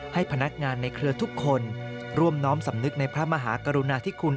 ให้พนักงานในเครือทุกคนร่วมน้อมสำนึกในพระมหากรุณาธิคุณ